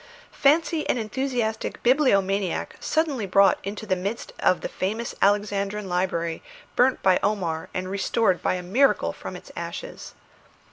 Fancy an enthusiastic bibliomaniac suddenly brought into the midst of the famous Alexandrian library burnt by Omar and restored by a miracle from its ashes!